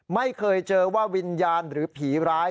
ไม่เคยเจอว่าวิญญาณหรือผีร้าย